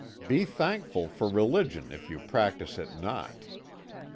Be thankful for Religion if you practise it not.